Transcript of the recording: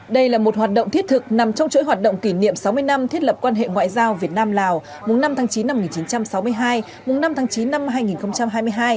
đây là một hoạt động thiết thực nằm trong chuỗi hoạt động kỷ niệm sáu mươi năm thiết lập quan hệ ngoại giao việt nam lào mùng năm tháng chín năm một nghìn chín trăm sáu mươi hai mùng năm tháng chín năm hai nghìn hai mươi hai